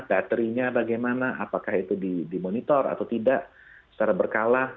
datary nya bagaimana apakah itu dimonitor atau tidak secara berkala